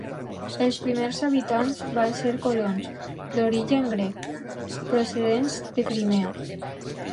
Els primers habitants van ser colons d'origen grec, procedents de Crimea.